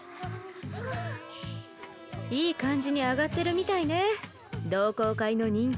いい感じに上がってるみたいね同好会の人気。